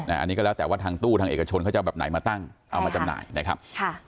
อันนี้ก็แล้วแต่ว่าทางตู้ทางเอกชนเขาจะเอาแบบไหนมาตั้งเอามาจำหน่ายนะครับ